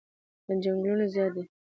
چنگلونه زیاد دی